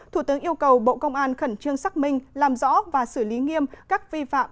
thủ tướng yêu cầu bộ công an khẩn trương xác minh làm rõ và xử lý nghiêm các vi phạm